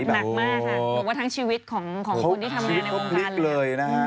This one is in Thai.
หนักมากค่ะผมว่าทั้งชีวิตของคนที่ทำงานในบ้านเลยนะครับ